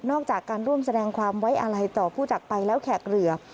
จากการร่วมแสดงความไว้อะไรต่อผู้จักรไปแล้วแขกเรือ